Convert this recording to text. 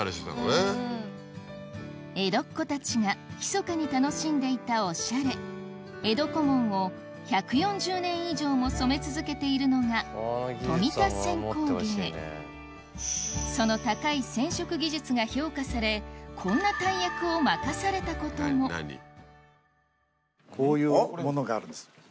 江戸っ子たちがひそかに楽しんでいたおしゃれ江戸小紋を１４０年以上も染め続けているのがその高い染色技術が評価されこんな大役を任されたこともこういうものがあるんです。